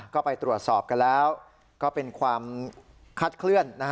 ก็ไปตรวจสอบกันแล้วก็เป็นความคาดเคลื่อน